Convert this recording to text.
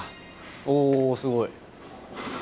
おお、すごい。